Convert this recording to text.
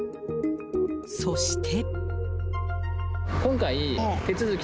そして。